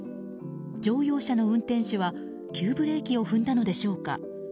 乗用車の運転手は急ブレーキを踏んだのでしょうか